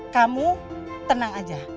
kamu tenang aja